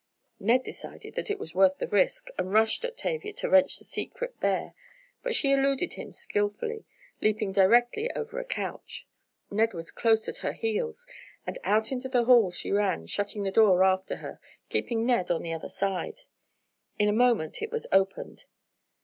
Ned decided that it was worth the risk, and rushed at Tavia to wrench the secret bare, but she eluded him skillfully, leaping directly over a couch. Ned was close at her heels, and out into the hall she ran, shutting the door after her, keeping Ned on the other side. In a moment it was opened.